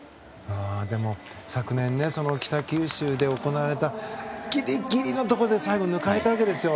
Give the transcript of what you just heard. でも、昨年北九州で行われたギリギリのところで最後、抜かれたわけですよ